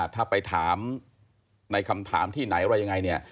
ถ้าไปถามในคำถามที่ไหนอะไรยังไงเนี่ย